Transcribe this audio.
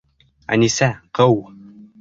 Әнисә, ҡыу!